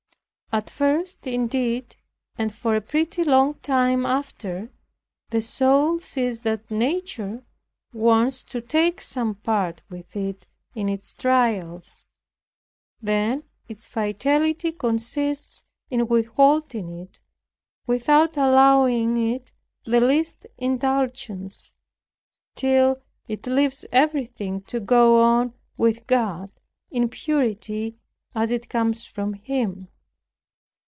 At first indeed, and for a pretty long time after, the soul sees that nature wants to take some part with it in its trials; then its fidelity consists in withholding it, without allowing it the least indulgence, till it leaves everything to go on with God in purity as it comes from Him.